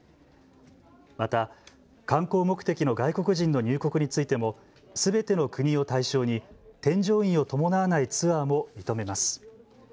また観光目的の外国人の入国についてもすべての国を対象に添乗員を伴わないツアーも認めます。